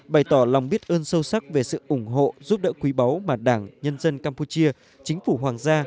bày tỏ lòng biết ơn sâu sắc về sự ủng hộ giúp đỡ quý báu mà đảng nhân dân campuchia chính phủ hoàng gia